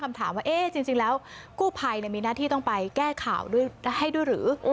คำถามว่าคู่ภัยมีน้าที่ให้ไปแก้ข่าวดูหรือ